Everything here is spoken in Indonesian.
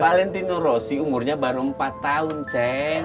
valentino rossi umurnya baru empat tahun ceng